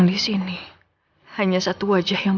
baik kita akan berjalan